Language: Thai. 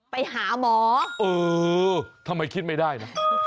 ไปหาหมอเออทำไมคิดไม่ได้นะ